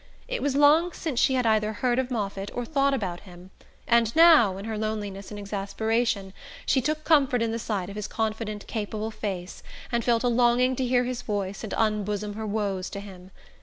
It was long since she had either heard of Moffatt or thought about him, and now, in her loneliness and exasperation, she took comfort in the sight of his confident capable face, and felt a longing to hear his voice and unbosom her woes to him.